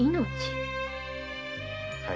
はい。